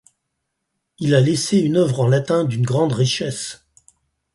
Il a laissé une œuvre en latin d'une grande richesse.